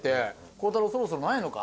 「孝太郎そろそろないのか？」